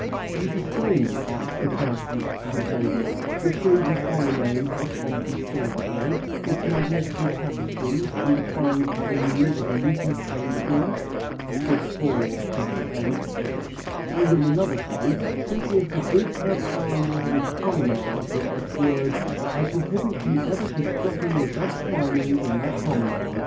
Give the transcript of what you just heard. "You disdain," asks Propertius of his lady love, "the shady colonnades of Pompey's portico, its magnificent tapestries and the fine avenue of leafy plane trees?" (IV, 8). And in another place Cynthia forbids her paramour this promenade with the words: "I prohibit you ever to strut in your best fineries in that promenade."